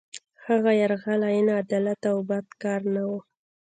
هغه یرغل عین عدالت او بد کار نه وو.